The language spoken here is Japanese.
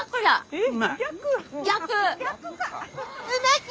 えっ？